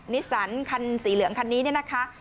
นิสสันคันสีเหลืองคันนี้เนี่ยนะคะ